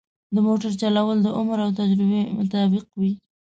د موټر چلول د عمر او تجربه مطابق وي.